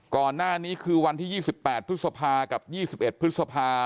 ก่อนหน้านี้คือวันที่ยี่สิบแปดพฤษภากับยี่สิบเอ็ดพฤษภา